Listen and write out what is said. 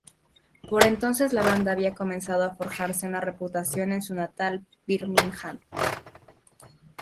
Por entonces la banda había comenzado a forjarse una reputación en su natal Birmingham.